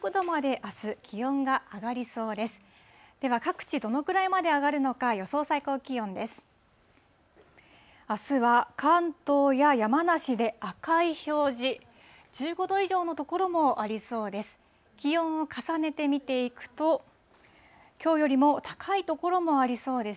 あすは、関東や山梨で赤い表示、１５度以上の所もありそうです。